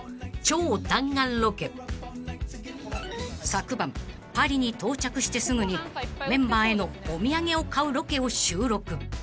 ［昨晩パリに到着してすぐにメンバーへのお土産を買うロケを収録］